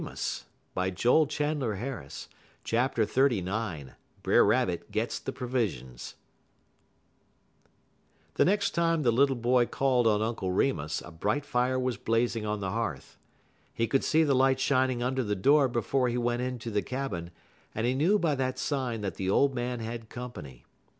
[Illustration: Brother Rabbit gets Provisions] XXXIX BRER RABBIT GETS THE PROVISIONS The next time the little boy called on Uncle Remus a bright fire was blazing on the hearth. He could see the light shining under the door before he went into the cabin, and he knew by that sign that the old man had company.